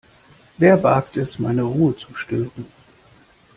Wer wagt es, meine Ruhe zu stören?